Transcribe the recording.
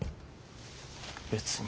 別に。